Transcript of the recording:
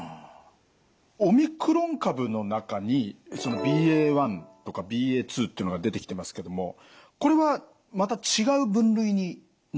オミクロン株の中にＢＡ．１とかＢＡ．２っていうのが出てきてますけどもこれはまた違う分類になるんですか？